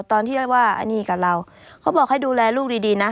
ตอนที่ได้ว่าอันนี้กับเราเขาบอกให้ดูแลลูกดีดีนะ